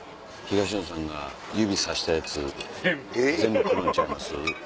東野さんが指さしたやつ全部来るんちゃいます？